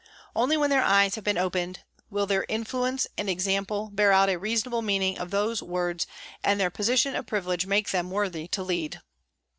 Only when their eyes have been opened will their " influence " and " example " bear out a reasonable meaning of those words and their position of privilege make them worthy to lead.